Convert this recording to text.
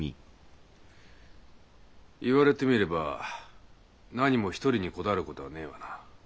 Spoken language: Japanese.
言われてみればなにも１人にこだわる事はねえわな。